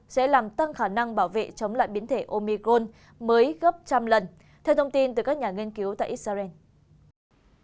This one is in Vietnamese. sẽ làm tăng khả năng bảo vệ chống lại biến thể omi gol mới gấp trăm lần theo thông tin từ các nhà nghiên cứu tại israel